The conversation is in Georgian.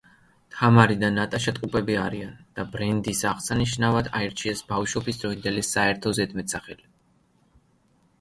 თამარი და ნატაშა ტყუპები არიან და ბრენდის აღსანიშნავად აირჩიეს ბავშვობის დროინდელი საერთო ზედმეტსახელი.